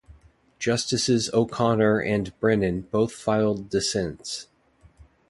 Justices O'Connor and Brennan both filed dissents.